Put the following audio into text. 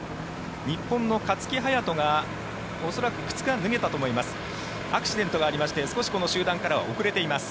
日本の勝木隼人が恐らく靴が脱げたと思います。